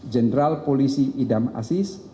jenderal polisi idam aziz